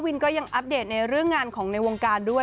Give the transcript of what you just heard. ก็ยังอัปเดตในเรื่องงานของในวงการด้วย